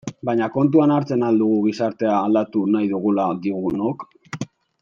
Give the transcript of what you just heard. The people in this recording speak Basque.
Baina kontuan hartzen al dugu gizartea aldatu nahi dugula diogunok?